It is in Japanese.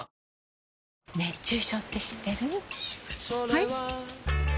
はい？